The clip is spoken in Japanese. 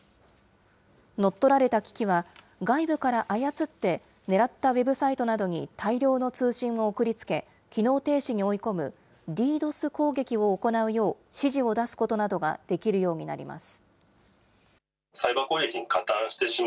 乗っ取られた機器は、外部から操って、狙ったウェブサイトなどに大量の通信を送りつけ、機能停止に追い込むＤＤｏＳ攻撃を行うよう指示を出すことなどができるようになります。